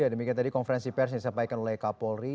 ya demikian tadi konferensi pers yang disampaikan oleh kapolri